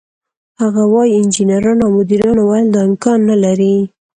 هغه وايي: "انجنیرانو او مدیرانو ویل دا امکان نه لري،